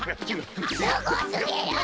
すごすぎる！